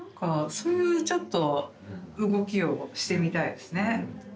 そういうちょっと動きをしてみたいですね。